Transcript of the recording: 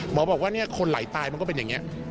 บอกว่าคนไหลตายมันก็เป็นอย่างนี้